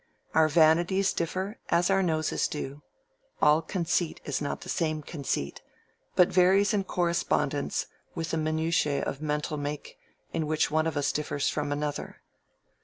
Our vanities differ as our noses do: all conceit is not the same conceit, but varies in correspondence with the minutiae of mental make in which one of us differs from another.